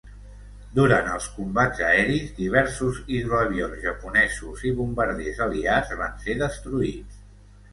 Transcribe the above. Durant els combats aeris diversos hidroavions japonesos i bombarders aliats van ser destruïts.